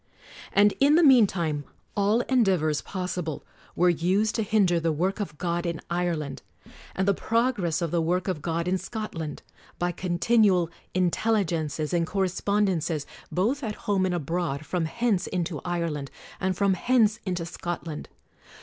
And in the meantime all endeavors possible were used to hinder the work of God in Ireland, and the progress of the work of God in Scotland ; by continual intelligences and correspondences, both at home and abroad, from hence into Ire land, and from hence into Scotland.